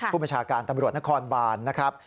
ผู้บัญชาการตำรวจนครบาน